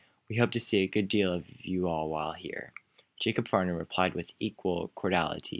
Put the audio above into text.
We hope to see a good deal of you all while here." Jacob Farnum replied with equal cordiality.